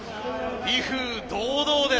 威風堂々です。